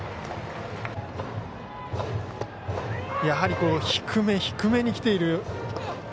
やはり低め、低めにきている。